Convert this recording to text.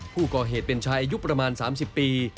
ผู้ก่อเหตุเป็นชายอายุประมาณ๓๐ปี